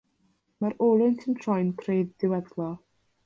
Mae'r olwyn sy'n troi'n creu diweddglo.